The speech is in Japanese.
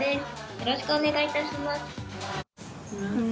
よろしくお願いします。